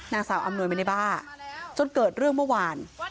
นางสาวอำนวยไม่ได้บ้าจนเกิดเรื่องเมื่อวาน